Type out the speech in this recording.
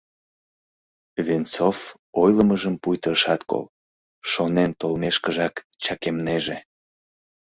Венцов ойлымыжым пуйто ышат кол, шонен толмешкыжак чакемнеже.